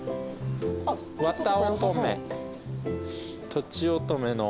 とちおとめの。